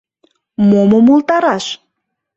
Мом умылтараш?